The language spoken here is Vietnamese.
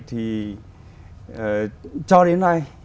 thì cho đến nay